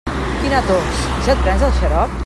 Quina tos, ja et prens el xarop?